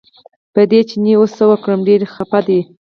په دې چیني اوس څه وکړو ډېر خپه دی.